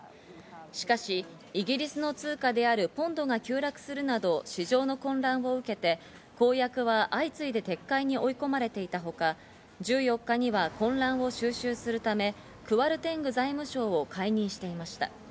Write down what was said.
しかし、イギリスの通貨であるポンドが急落するなど市場の混乱を受けて、公約は相次いで撤回に追い込まれていたほか、１４日には混乱を収拾するためクワルテング財務省を解任していました。